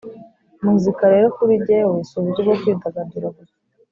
Muzika rero kuri jyewe, si uburyo bwo kwidagadura gusa